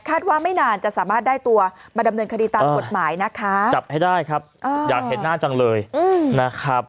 ว่าไม่นานจะสามารถได้ตัวมาดำเนินคดีตามกฎหมายนะคะจับให้ได้ครับอยากเห็นหน้าจังเลยนะครับ